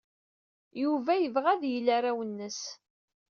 Yuba yebɣa ad yel arraw-nnes.